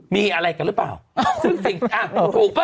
มีอะไรกันหรือเปล่าซึ่งสิ่งอ่ะถูกป่